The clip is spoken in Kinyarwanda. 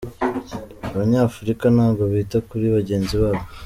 Abanyafurika ntabwo bita kuri bagenzi babo.